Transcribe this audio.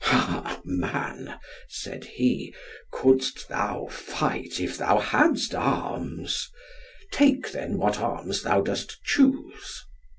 "Ha! man," said he, "couldst thou fight, if thou hadst arms? Take, then, what arms thou dost choose."